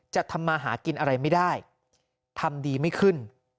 จะทำมาหากินอะไรไม่ได้ทำดีไม่ขึ้น